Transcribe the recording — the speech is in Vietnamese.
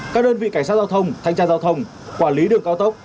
các đơn vị cảnh sát giao thông thanh tra giao thông quản lý đường cao tốc